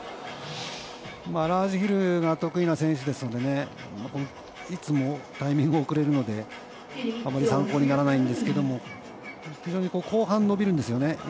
ラージヒルが得意な選手ですのでいつもタイミング、遅れるのであまり参考にならないんですけど非常に後半伸びるんですよね。